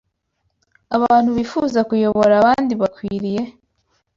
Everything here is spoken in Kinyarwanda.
Abantu bifuza kuyobora abandi bakwiriye